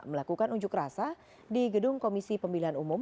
melakukan unjuk rasa di gedung komisi pemilihan umum